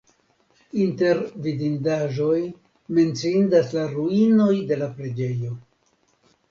Inter vidindaĵoj menciindas la ruinoj de la preĝejo.